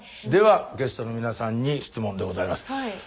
ではゲストの皆さんに質問でございます。